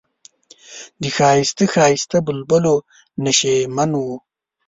د ښایسته ښایسته بلبلو نشیمن و.